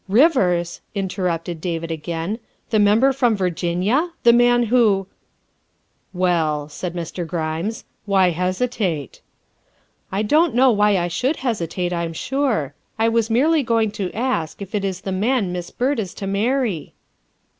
" Rivers," interrupted David again, " the Member from Virginia? The man who "" Well," said Mr. Grimes, " why hesitate?" " I don't know why I should hesitate, I'm sure. I was merely going to ask if it is the man Miss Byrd is to marry